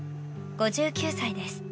５９歳です。